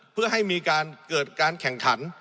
เพื่อให้มีการเกิดการแข่งขัน